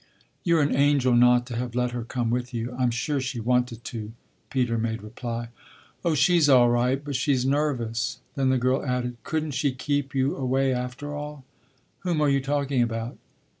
"You're an angel not to have let her come with you. I'm sure she wanted to," Peter made reply. "Oh she's all right, but she's nervous." Then the girl added: "Couldn't she keep you away after all?" "Whom are you talking about?"